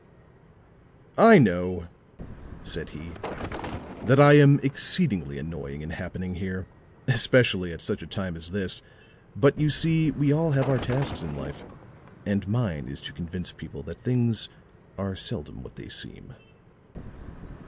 "I know," said he, "that I am exceedingly annoying in happening here especially at such a time as this. But, you see, we all have our tasks in life, and mine is to convince people that things are seldom what they seem."